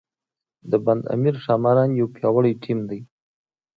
د بند امیر ښاماران یو پیاوړی ټیم دی.